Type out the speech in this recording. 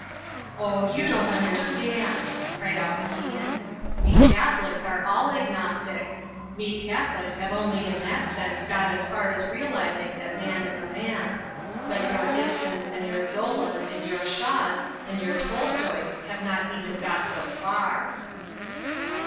"Oh, you do not understand!" cried out MacIan. "We Catholics are all agnostics. We Catholics have only in that sense got as far as realizing that man is a man. But your Ibsens and your Zolas and your Shaws and your Tolstoys have not even got so far."